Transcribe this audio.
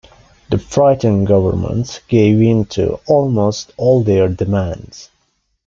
The frightened government gave in to almost all their demands.